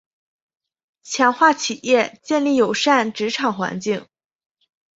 强化企业建立友善职场环境